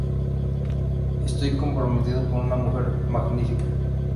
Estoy comprometido con una mujer magnífica".